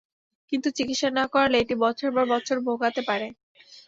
কিন্তু চিকিৎসা না করালে এটি বছরের পর বছর ভোগাতে পারে।